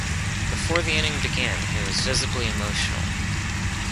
Before the inning began, he was visibly emotional.